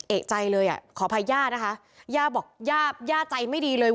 เอกใจเลยอ่ะขออภัยย่านะคะย่าบอกย่าย่าใจไม่ดีเลย